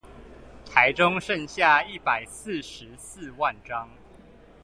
台中剩下一百四十四萬張